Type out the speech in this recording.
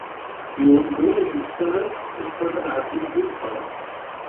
Yewweḍ-d wayen nessaram, ussan ad ɛeddin di lferḥ.